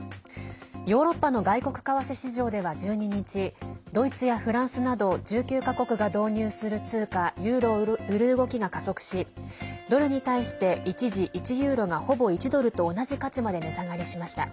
ヨーロッパの外国為替市場では１２日ドイツやフランスなど１９か国が導入する通貨ユーロを売る動きが加速しドルに対して一時１ユーロがほぼ１ドルと同じ価値まで値下がりしました。